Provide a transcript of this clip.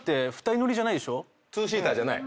ツーシーターじゃない。